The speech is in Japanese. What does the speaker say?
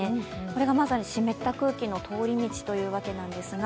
これがまさに湿った空気の通り道というわけなんですが、